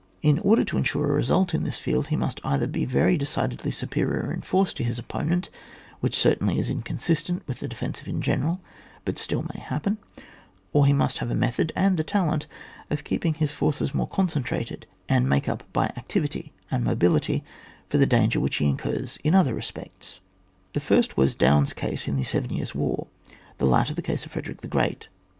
In order to ensure a result in this field, he must either be very decidedly superior in force to his oppo nent— which certainly is inconsistent with the defensive in general, but still may happen — or he must have a method and the talent of keeping his forces more concentrated, and make up by activity and mobility for the danger which he incurs in other respects. The first was Daun's case in the Seven Tears* War ; the latter, the case of Fred erick the Great.